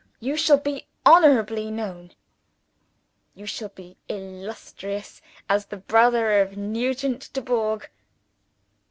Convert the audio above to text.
You shall be honorably known you shall be illustrious, as the brother of Nugent Dubourg.'